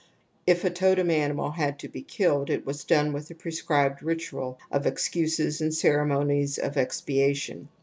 If a totem animal had to be killed it was done with a prescribed ritual of excuses and ceremon ies of expiation.